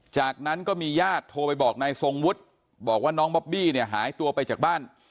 จากนั้นก็มีญาติโทรไปบอกนายทรงวุฒิบอกว่าน้องบอบบี้เนี่ยหายตัวไปจากบ้าน